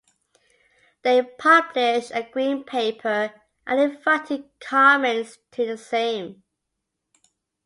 They published a Green Paper and invited comments to the same.